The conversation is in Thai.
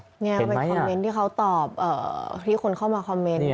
นี่ก็เป็นคอมเมนต์ที่เขาตอบที่คนเข้ามาคอมเมนต์